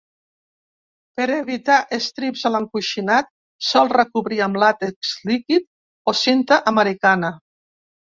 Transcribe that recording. Per evitar estrips a l'encoixinat, sol recobrir amb làtex líquid o cinta americana.